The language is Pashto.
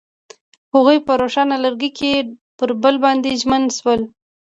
هغوی په روښانه لرګی کې پر بل باندې ژمن شول.